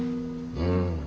うん。